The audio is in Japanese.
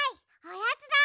おやつだ！